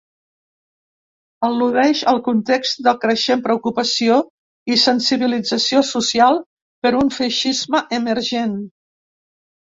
Al·ludeix al context de creixent preocupació i sensibilització social per un feixisme emergent.